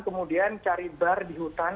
kemudian cari bar di hutan